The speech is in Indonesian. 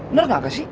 bener ga ga sih